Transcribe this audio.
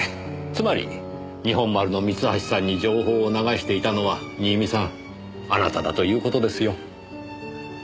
つまり日本丸の三橋さんに情報を流していたのは新見さんあなただという事ですよ。